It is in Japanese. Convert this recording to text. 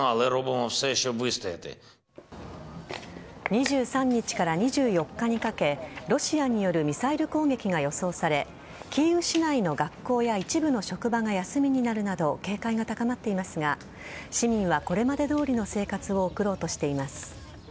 ２３日から２４日にかけロシアによるミサイル攻撃が予想されキーウ市内の学校や一部の職場が休みになるなど警戒が高まっていますが市民はこれまでどおりの生活を送ろうとしています。